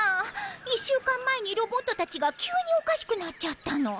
１週間前にロボットたちが急におかしくなっちゃったの。